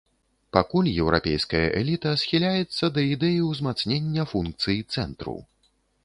Пакуль еўрапейская эліта схіляецца да ідэі ўзмацнення функцый цэнтру.